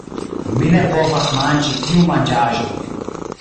Mi ne povas manĝi tiun manĝaĵon.